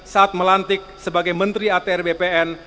saat melantik sebagai menteri atr bpn